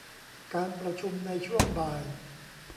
การประชุมในช่วงบ่าย